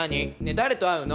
誰と会うの？